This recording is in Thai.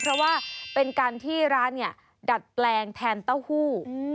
เพราะว่าเป็นการที่ร้านเนี่ยดัดแปลงแทนเต้าหู้